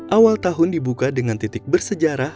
awal tahun dibuka dengan titik bersejarah